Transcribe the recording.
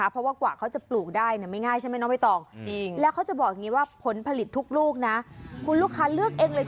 ส่วนพันธุ์อักกะเนสพันธุ์มิดโดริ